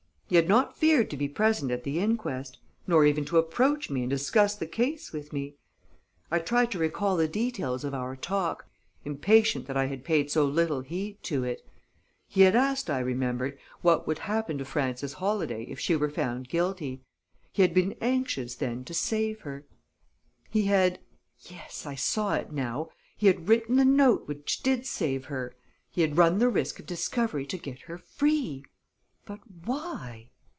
He had not feared to be present at the inquest; nor even to approach me and discuss the case with me. I tried to recall the details of our talk, impatient that I had paid so little heed to it. He had asked, I remembered, what would happen to Frances Holladay if she were found guilty. He had been anxious, then, to save her. He had yes, I saw it now! he had written the note which did save her; he had run the risk of discovery to get her free! But why?